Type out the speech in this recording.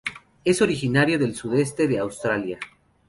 Es originario del sudeste de Australia.